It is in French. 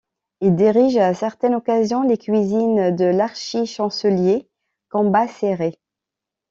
Il dirige à certaines occasions les cuisines de l’archichancelier Cambacérès.